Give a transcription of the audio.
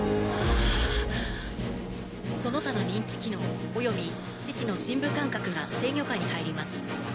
その他の認知機能および四肢の深部感覚が制御下に入ります。